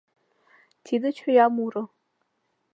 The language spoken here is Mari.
— Тиде чоя муро!